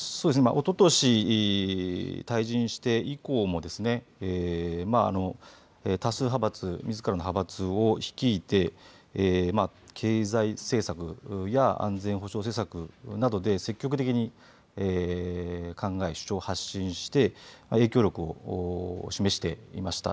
おととし退陣して以降も多数派閥、みずからの派閥を率いて経済政策や安全保障政策などで積極的に考え、主張を発信して影響力を示していました。